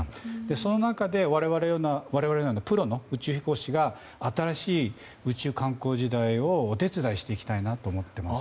その中で我々のようなプロの宇宙飛行士が新しい宇宙観光時代をお手伝いしていきたいなと思っています。